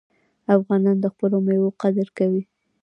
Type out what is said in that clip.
افغانان د خپلو میوو قدر کوي.